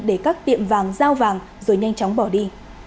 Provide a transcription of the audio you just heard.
để các tiệm vàng giao vàng rồi nhanh chóng bỏ đi